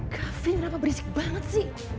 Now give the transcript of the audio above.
kafin kenapa berisik banget sih